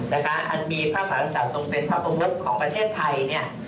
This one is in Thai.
อันนี้มีภาพุราษาสงเฟนภาพวมศุขของประเทศไทย